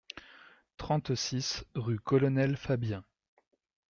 trente-six rue Colonel Fabien